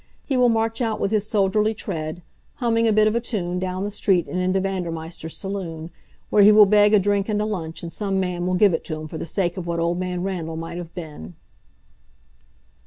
He will march out with his soldierly tread, humming a bit of a tune, down the street and into Vandermeister's saloon, where he will beg a drink and a lunch, and some man will give it to him for the sake of what Old Man Randall might have been.